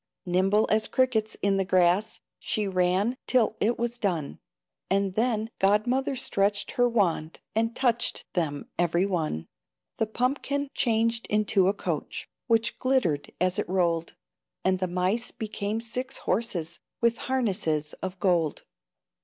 Nimble as crickets in the grass She ran, till it was done, And then God mother stretched her wand And touched them every one. The pumpkin changed into a coach, Which glittered as it rolled, And the mice became six horses, With harnesses of gold.